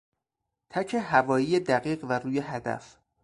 تک هوایی دقیق و روی هدف